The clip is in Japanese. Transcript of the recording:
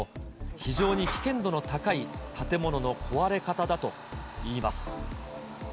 非常に危険度の高い建物の壊れ方だといいます。